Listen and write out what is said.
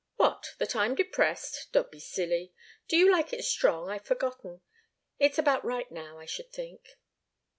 "What? That I'm depressed? Don't be silly! Do you like it strong? I've forgotten. It's about right now, I should think."